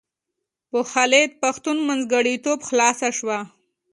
په خالد پښتون منځګړیتوب خلاصه شوه.